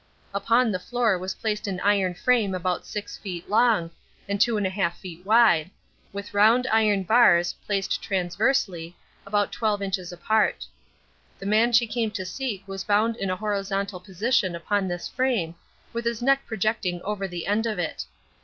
Upon the floor was placed an iron frame about six feet long, and two and a half feet wide, with round iron bars, placed transversely, about twelve inches apart. The man she came to seek was bound in a horizontal position upon this frame, with his neck projecting over the end of it.